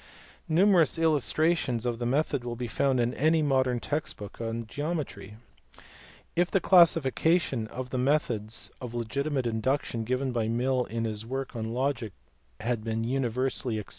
Numerous illustrations of the method will be found in any modern text book on geometry. If the classification of the methods of legitimate induction given by Mill in his work on logic had been universally ac PLATO.